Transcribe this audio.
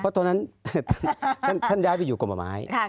เพราะตอนนั้นท่านย้ายไปอยู่กรมป่าไม้